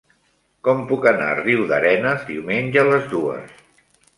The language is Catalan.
Com puc anar a Riudarenes diumenge a les dues?